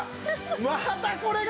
またこれが。